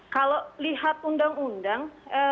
kalau lihat undang undang